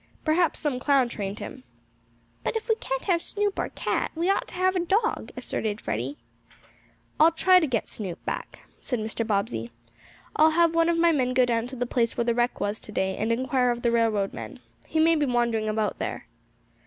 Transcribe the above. Perhaps some clown trained him." "But if we can't have Snoop, our cat, we ought to have a dog," asserted Freddie. "I'll try to get Snoop back," said Mr. Bobbsey. "I'll have one of my men go down to the place where the wreck was, today, and inquire of the railroad men. He may be wandering about there."